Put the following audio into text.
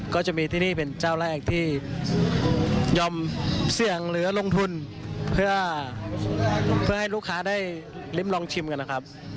ก็จะมีที่นี่เป็นเจ้าแรกที่ยอมเสี่ยงหรือลงทุนเพื่อให้ลูกค้าได้ลิ้มลองชิมกันนะครับ